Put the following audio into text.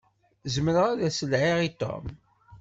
Zemreɣ ad s-laɛiɣ i Tom.